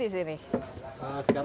ini untuk harga masuk